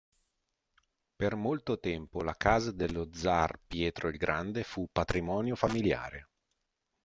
Per molto tempo la Casa dello Zar Pietro il Grande fu “patrimonio familiare”.